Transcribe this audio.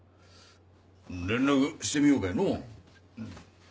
連絡してみようかいの。